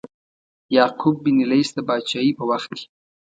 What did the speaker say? یعقوب بن لیث د پاچهۍ په وخت کې.